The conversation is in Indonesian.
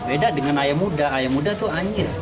beda dengan ayam muda ayah muda itu anjir